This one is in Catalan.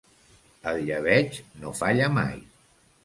El llebeig no falla mai.